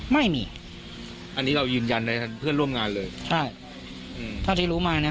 ไม่มีอันนี้เรายืนยันในเพื่อนร่วมงานเลยใช่อืมเท่าที่รู้มาเนี้ย